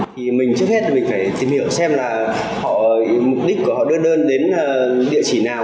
thì mình trước hết thì mình phải tìm hiểu xem là họ mục đích của họ đưa đơn đến địa chỉ nào